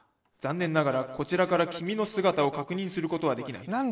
「残念ながらこちらから君の姿を確認することはできない。